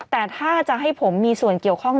แต่ถ้าจะให้ผมมีส่วนเกี่ยวข้อง